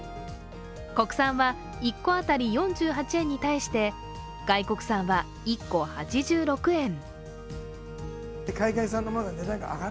国産は１個当たり４８円に対して外国産は１個８６円。